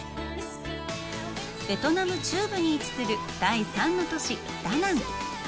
ベトナム中部に位置する第３の都市ダナン。